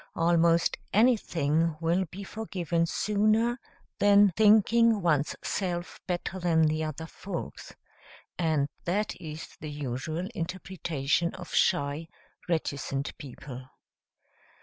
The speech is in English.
Almost anything will be forgiven sooner than "thinking one's self better than the other folks;" and that is the usual interpretation of shy, reticent people.